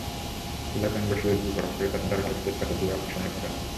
চুলায় প্যান বসিয়ে ঘি গরম করে তাতে দারুচিনি-তেজপাতা দিয়ে অল্প সময় নেড়ে নিন।